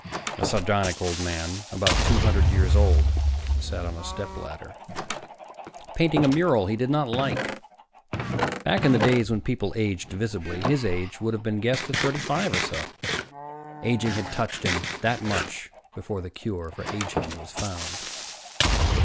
A sardonic old man, about two hundred years old, sat on a stepladder, painting a mural he did not like. Back in the days when people aged visibly, his age would have been guessed at thirty five or so. Aging had touched him that much before the cure for aging was found.